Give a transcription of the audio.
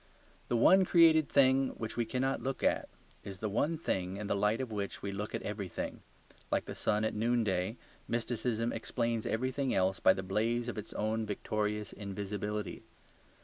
The one created thing which we cannot look at is the one thing in the light of which we look at everything. Like the sun at noonday, mysticism explains everything else by the blaze of its own victorious invisibility.